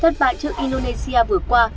thất bại trước indonesia vừa qua